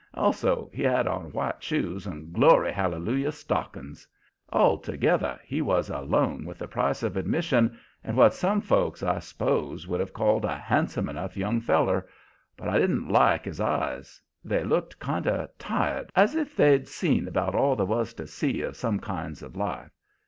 Also, he had on white shoes and glory hallelujah stockings. Altogether, he was alone with the price of admission, and what some folks, I s'pose, would have called a handsome enough young feller. But I didn't like his eyes; they looked kind of tired, as if they'd seen 'bout all there was to see of some kinds of life.